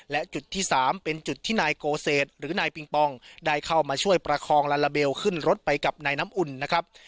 และจุดที่๓เป็นจุดที่นายโกเศษหรือนายปิงปองได้เข้ามาช่วยประคองลาลาเบลขึ้นรถไปกับนายน้ำอุ่นนะครับ